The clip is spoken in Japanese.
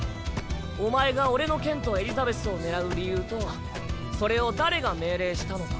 お前が俺の剣とエリザベスを狙う理由とそれを誰が命令したのか。